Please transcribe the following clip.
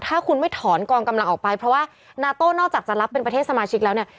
ถ้าคุณไม่ถอนกองกำลังออกไปเพราะว่านาโต้นอกจากจะรับเป็นประเทศสมาชิกแล้วเนี่ย